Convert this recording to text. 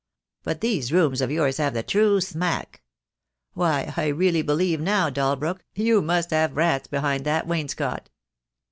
But these rooms of yours have the true smack. Why, I really believe now, Dalbrook, you must have rats behind that wainscot?"